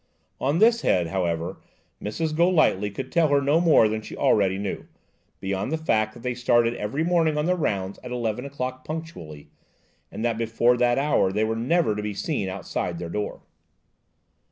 On this head, however, Mrs. Golightly could tell her no more than she already knew, beyond the fact that they started every morning on their rounds at eleven o'clock punctually, and that before that hour they were never to be seen outside their door.